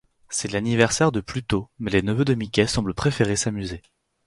C'est l'anniversaire de Pluto mais les neveux de Mickey semblent préférer s'amuser.